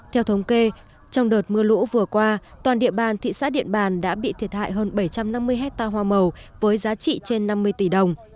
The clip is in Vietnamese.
theo thống kê trong đợt mưa lũ vừa qua toàn địa bàn thị xã điện bàn đã bị thiệt hại hơn bảy trăm năm mươi hectare hoa màu với giá trị trên năm mươi tỷ đồng